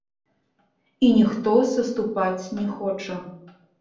І ніхто саступаць не хоча.